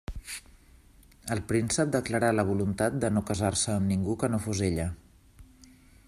El príncep declarà la voluntat de no casar-se amb ningú que no fos ella.